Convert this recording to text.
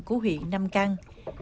của huyện nam căng